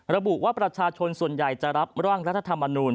ระบุว่าประชาชนส่วนใหญ่จะรับร่างรัฐธรรมนูล